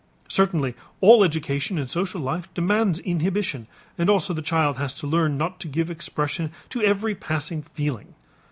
Certainly all education and social life demands inhibition and also the child has to learn not to give expression to every passing feeling.